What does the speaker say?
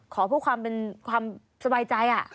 ขอบทความสบายใจ